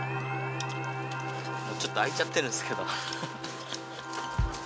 ちょっと開いちゃってるんですけど。